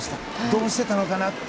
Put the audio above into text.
どうしてたのかなと。